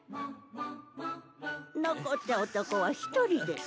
残った男は１人ですか。